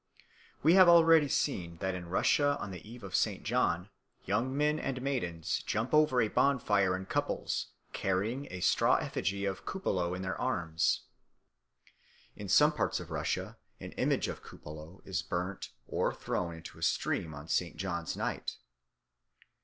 We have already seen that in Russia on the Eve of St. John young men and maidens jump over a bonfire in couples carrying a straw effigy of Kupalo in their arms. In some parts of Russia an image of Kupalo is burnt or thrown into a stream on St. John's Night.